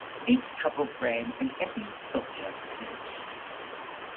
Each couple frame an empty sculpture niche.